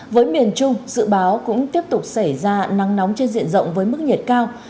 với miền trung dự báo cũng tiếp tục xảy ra nắng nóng trên diện rộng với mức nhiệt cao